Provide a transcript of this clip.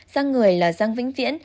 răng người là răng vĩnh viễn